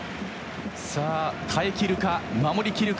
さあ耐えきるか守り切るか。